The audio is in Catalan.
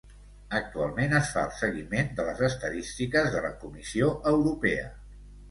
Actualment es fa el seguiment de les estadístiques de la Comissió Europea.